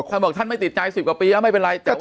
ท่านบอกท่านไม่ติดใจ๑๐กว่าปีไม่เป็นไร